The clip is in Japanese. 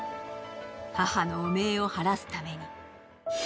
母の汚名をはらすために。